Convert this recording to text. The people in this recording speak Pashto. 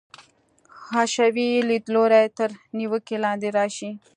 حشوي لیدلوری تر نیوکې لاندې راشي.